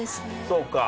そうか。